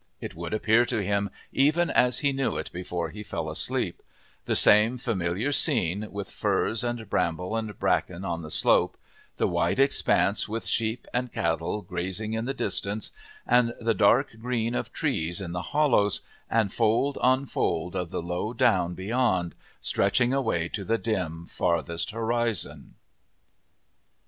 It would appear to him even as he knew it before he fell asleep the same familiar scene, with furze and bramble and bracken on the slope, the wide expanse with sheep and cattle grazing in the distance, and the dark green of trees in the hollows, and fold on fold of the low down beyond, stretching away to the dim, farthest horizon.